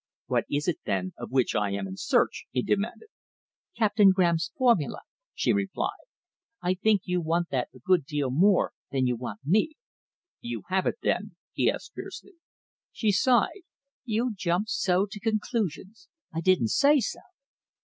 "What is it, then, of which I am in search?" he demanded. "Captain Graham's formula," she replied. "I think you want that a good deal more than you want me." "You have it then?" he asked fiercely. She sighed. "You jump so to conclusions. I didn't say so."